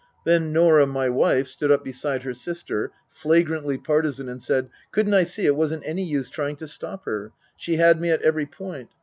Then Norah, my wife, stood up beside her sister, flagrantly partisan, and said, Couldn't I see it wasn't any use trying to stop her ? She had me at every point.